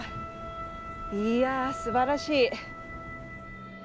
いやすばらしい。